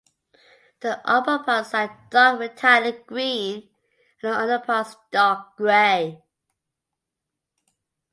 The upperparts are dark metallic green and the underparts dark gray.